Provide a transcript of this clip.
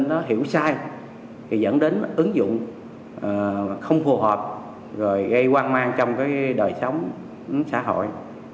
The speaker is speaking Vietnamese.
nếu sai thì dẫn đến ứng dụng không phù hợp rồi gây quan mang trong đời sống xã hội